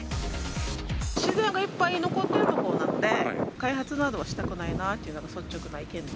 自然がいっぱい残ってる所なので、開発などはしたくないなっていうのが率直な意見です。